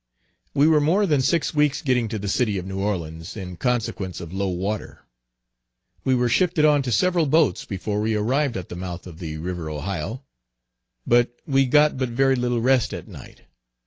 We were more than six weeks getting to the city of New Orleans, in consequence of low water. We were shifted on to several boats before we arrived at the mouth of the river Ohio. But we got but very little rest at night.